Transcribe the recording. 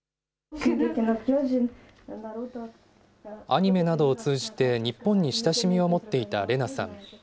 アニメなどを通じて日本に親しみを持っていたレナさん。